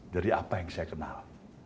dari apa yang saya kenal